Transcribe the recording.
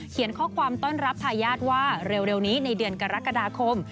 ข้อความต้อนรับทายาทว่าเร็วนี้ในเดือนกรกฎาคม